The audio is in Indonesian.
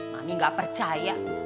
wah mami gak percaya